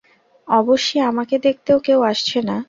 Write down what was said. অবশ্যি আমাকে দেখতেও কেউ আসছে না ।